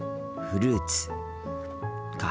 フルーツか。